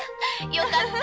よかった。